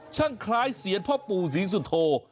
ช่างคล้ายเสียงพ่อปู่ศรีสุโท